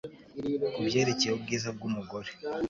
kubyerekeye ubwiza bw'umugore